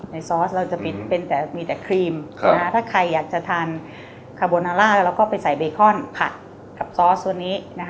ซอสเราจะเป็นมีแต่ครีมถ้าใครอยากจะทานคาโบนาล่าแล้วก็ไปใส่เบคอนผัดกับซอสตัวนี้